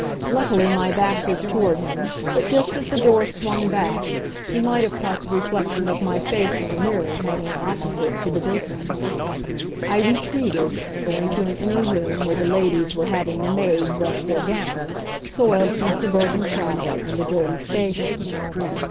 Luckily, my back was toward him, but just as the door swung back he might have caught the reflection of my face in a mirror hanging opposite to the big one. I retreated, going to an inner room where the ladies were having the maid brush their gowns, soiled from suburban travel and the dirty station.